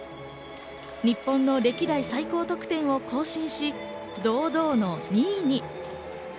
日本の歴代最高得点を更新し、堂々の２位に。